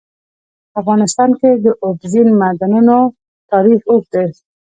په افغانستان کې د اوبزین معدنونه تاریخ اوږد دی.